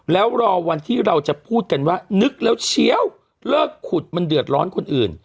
แล้วรอวันที่เราจะพูดกันว่านึกแล้วเชียวเลิกขุดมันเดือดร้อนคนอื่น